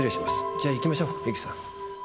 じゃあ行きましょうゆきさん。